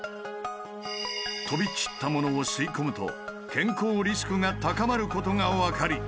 飛び散ったものを吸い込むと健康リスクが高まることが分かり